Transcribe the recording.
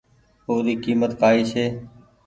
اي ري ڪيمت ڪآئي ڇي۔